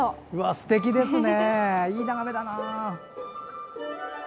すてきですね！